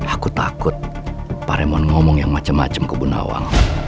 aku takut pak remon ngomong yang macem macem ke ibu nawang